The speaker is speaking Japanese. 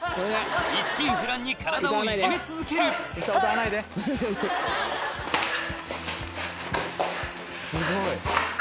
一心不乱に体をいじめ続けるすごい。